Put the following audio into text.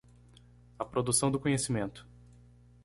A produção do conhecimento.